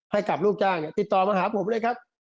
ให้กับลูกจ้างติดต่อมาหาผมเลยครับ